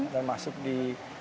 dan masuk di